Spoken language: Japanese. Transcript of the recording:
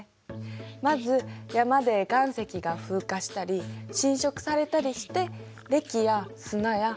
まず山で岩石が風化したり浸食されたりしてれきや砂や泥になる。